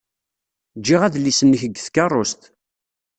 Jjiɣ adlis-nnek deg tkeṛṛust.